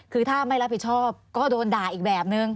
คือถ้าไม่รับผิดชอบก็โดนด่าอีกแบบนึง